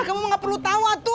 kamu mah ga perlu tawa tuh